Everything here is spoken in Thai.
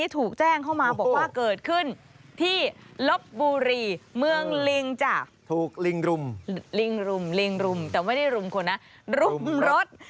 แต่ไม่ได้รุมคนนะรุมรถ